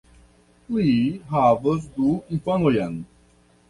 Li havas du infanojn.